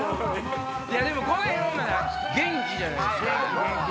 でもこのへんはまだ元気じゃないですか。